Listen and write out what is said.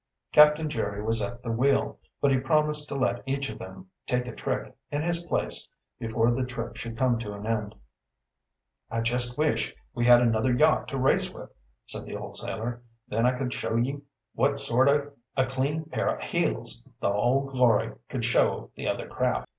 Captain Jerry was at the wheel, but he promised to let each of them "take a trick" in his place before the trip should come to an end. "I jest wish we had another yacht to race with," said the old sailor. "Then I could show ye what sort o' a clean pair o' heels the Old Glory could show the other craft."